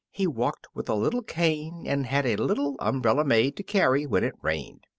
He walked with a little cane and had a little umbrella made to carry when it rained.